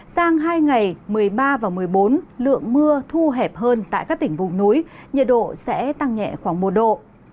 sang hai ngày một mươi ba và một mươi bốn lượng mưa thu hẹp hơn tại các tỉnh vùng núi nhiệt độ sẽ tăng nhẹ khoảng một độ